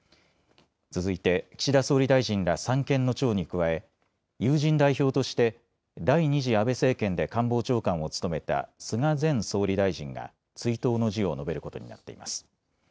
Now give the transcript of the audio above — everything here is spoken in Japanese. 続いて岸田総理大臣ら三権の長に加え、友人代表として第２次安倍政権で官房長官を務めた菅前総理大臣が追悼の辞を述べることになっています。